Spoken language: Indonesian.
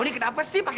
tony kenapa sih